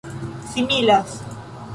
similas